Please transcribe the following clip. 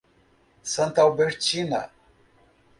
Santa Albertina